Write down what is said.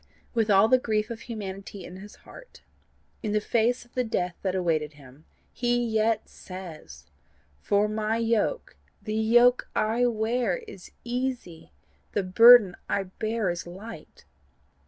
With all the grief of humanity in his heart, in the face of the death that awaited him, he yet says, FOR MY YOKE, THE YOKE I WEAR, IS EASY, THE BURDEN I BEAR IS LIGHT.